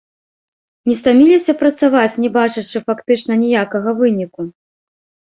Не стаміліся працаваць, не бачачы фактычна ніякага выніку?